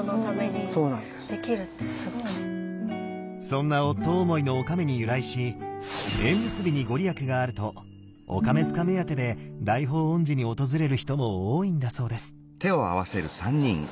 そんな夫思いのおかめに由来し縁結びに御利益があるとおかめ塚目当てで大報恩寺に訪れる人も多いんだそうです。